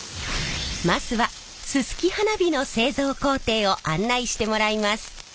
まずはすすき花火の製造工程を案内してもらいます。